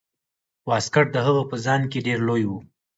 واسکټ د هغه په ځان کې ډیر لوی و.